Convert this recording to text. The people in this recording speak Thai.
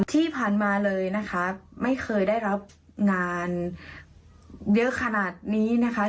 ที่ผ่านมาเลยนะคะไม่เคยได้รับงานเยอะขนาดนี้นะคะ